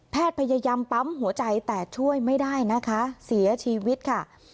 พยายามปั๊มหัวใจแต่ช่วยไม่ได้นะคะเสียชีวิตค่ะ